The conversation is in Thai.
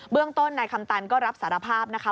เรื่องต้นนายคำตันก็รับสารภาพนะคะ